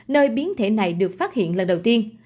nơi biến thể này được phát hiện lần đầu tiên